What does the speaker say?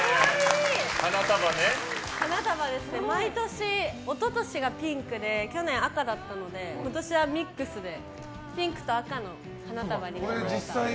毎年、一昨年がピンクで去年が赤だったので今年はミックスでピンクと赤の花束にしました。